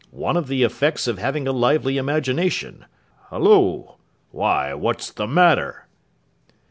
'One of the effects of having a lively imagination. Halloa! Why, what's the matter?